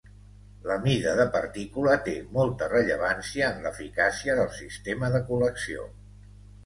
La mida de partícula té molta rellevància en l'eficàcia del sistema de col·lecció.